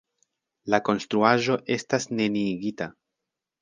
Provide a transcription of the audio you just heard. La konstruaĵo estis neniigita.